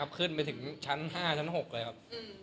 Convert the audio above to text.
ขอบคุณมากสวัสดีครับ